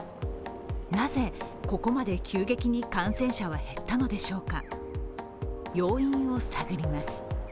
なぜ、ここまで急激に感染者は減ったのでしょうか。